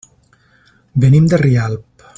Venim de Rialp.